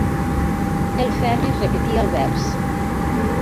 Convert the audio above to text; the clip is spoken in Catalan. El Ferri repetia el vers.